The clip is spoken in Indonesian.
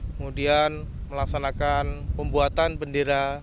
kemudian melaksanakan pembuatan bendera